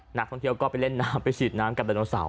นักท่องเที่ยวก็ไปเล่นน้ำไปฉีดน้ำกับไดโนเสาร์